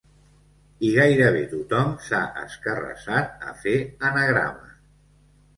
I gairebé tothom s'ha escarrassat a fer anagrames.